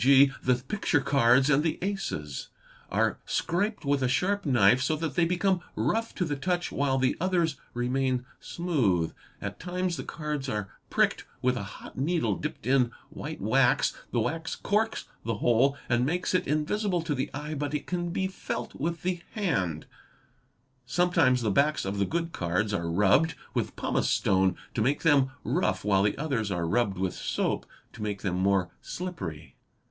g., the picture cards and the aces, are scraped with a sharp knife so that they become rough to the touch while the others remain smooth; at times the cards are pricked with a hot needle dipped in white wax, the wax corks the hole and makes it in — visible to the eye but it can be felt with the hand; sometimes the backs — oy & HI » oy f aoa : M4 ~ 4 = CHEATING AT CARDS 825 of the good cards are rubbed with pumice stone to make them rough while the others are rubbed with soap to make them more slippery.